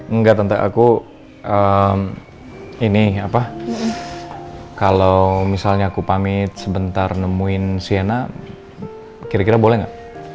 enggak tante aku ini apa kalo misalnya aku pamit sebentar nemuin sienna kira kira boleh gak